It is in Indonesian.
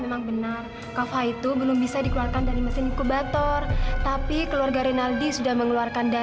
anak yang aku kandung ini anak kamu